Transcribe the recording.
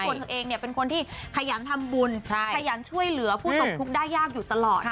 ซึ่งคนตัวเองเนี่ยเป็นคนที่ขยันทำบุญขยันช่วยเหลือผู้ตกคลุกได้ยากอยู่ตลอดนะคะ